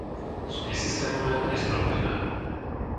Sú nesystémové a nespravodlivé.